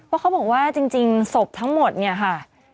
เพราะเขาบอกว่าจริงศพทั้งหมดเนี่ยค่ะ